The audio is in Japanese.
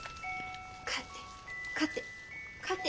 勝て勝て勝て。